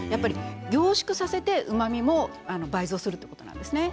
凝縮させてうまみも倍増するということなんです。